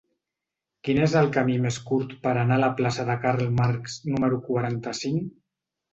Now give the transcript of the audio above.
Quin és el camí més curt per anar a la plaça de Karl Marx número quaranta-cinc?